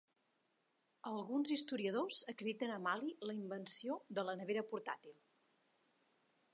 Alguns historiadors acrediten a Malley la invenció de la nevera portàtil.